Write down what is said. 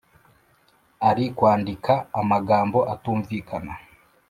ari kwandika amagambo atumvikana